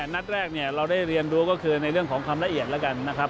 นัดแรกเนี่ยเราได้เรียนรู้ก็คือในเรื่องของความละเอียดแล้วกันนะครับ